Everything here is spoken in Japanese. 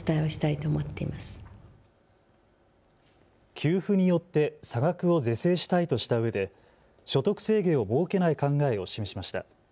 給付によって差額を是正したいとしたうえで所得制限を設けない考えを示しました。